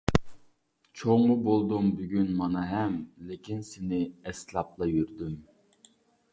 چوڭمۇ بولدۇم بۈگۈن مانا ھەم، لېكىن سېنى ئەسلەپلا يۈردۈم.